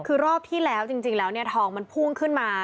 คือรอบที่แล้วจริงแล้วเนี่ยทองมันพุ่งขึ้นมา